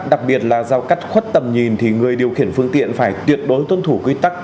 đặc biệt là giao cắt khuất tầm nhìn thì người điều khiển phương tiện phải tuyệt đối tuân thủ quy tắc